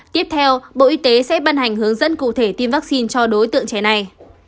tiếp theo bộ y tế sẽ ban hành hướng dẫn cụ thể tiêm vaccine cho đối tượng trẻ này